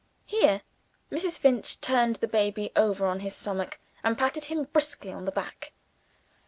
Here Mrs. Finch turned the baby over on his stomach, and patted him briskly on the back.